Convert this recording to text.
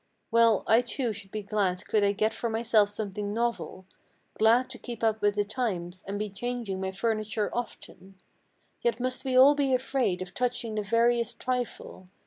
Well, I too should be glad could I get for myself something novel; Glad to keep up with the times, and be changing my furniture often; Yet must we all be afraid of touching the veriest trifle.